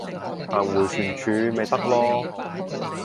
行迴旋處咪得囉